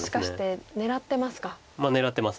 まあ狙ってます。